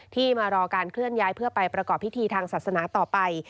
ที่มารอการเคลื่อนย้ายเพื่อไปประกอบพิธีทางศาสนาต่อไป